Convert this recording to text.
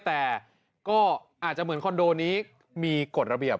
แต่ก็อาจจะเหมือนคอนโดนี้มีกฎระเบียบ